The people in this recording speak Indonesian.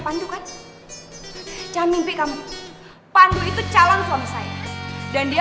katanya kamu sayang padaku